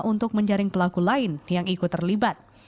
untuk menjaring pelaku lain yang ikut terlibat